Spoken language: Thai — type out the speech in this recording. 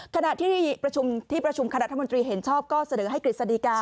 ขณะที่ประชุมคณะรัฐมนตรีเห็นชอบก็เสนอให้กฤษฎีกา